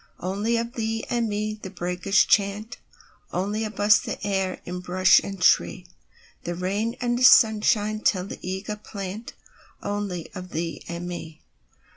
Only of thee and me the breakers chant, Only of us the stir in bush and tree; The rain and sunshine tell the eager plantOnly of thee and me.